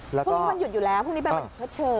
พรุ่งนี้วันหยุดอยู่แล้วพรุ่งนี้เป็นวันชดเชย